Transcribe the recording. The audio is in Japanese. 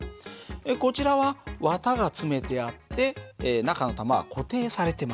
こちらは綿が詰めてあって中の玉は固定されてます。